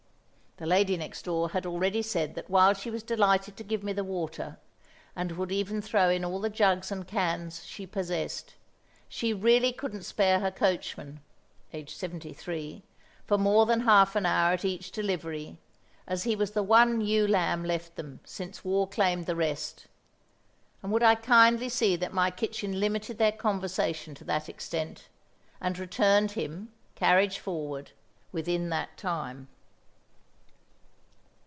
(The lady next door had already said that while she was delighted to give me the water, and would even throw in all the jugs and cans she possessed, she really couldn't spare her coachman (aged 73) for more than half an hour at each delivery, as he was the one ewe lamb left them, since war claimed the rest, and would I kindly see that my kitchen limited their conversation to that extent, and returned him, carriage forward, within that time.)